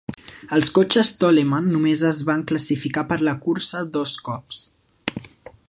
Els cotxes Toleman només es van classificar per la cursa dos cops.